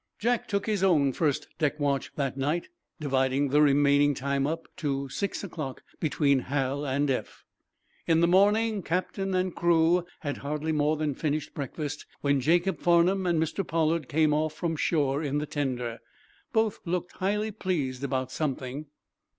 Jack took his own first deck watch that night, dividing the remaining time up to six o'clock between Hal and Eph. In the morning captain and crew had hardly more than finished breakfast when Jacob Farnum and Mr. Pollard came off from shore in the tender. Both looked highly pleased about something.